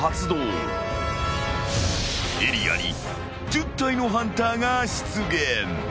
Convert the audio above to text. ［エリアに１０体のハンターが出現］